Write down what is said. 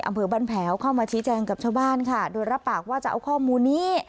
อำเภอบ้านแผลวเข้ามาชี้แจงกับชาวบ้านค่ะโดยรับปากว่าจะเอาข้อมูลนี้